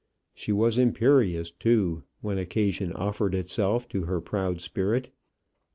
She was imperious, too, when occasion offered itself to her proud spirit.